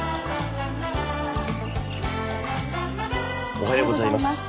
おはようございます。